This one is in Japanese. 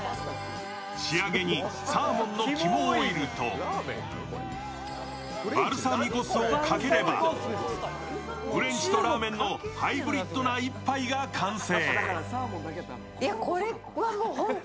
仕上げにサーモンの肝オイルとバルサミコ酢をかければ、フレンチとラーメンのハイブリッドな一杯が完成。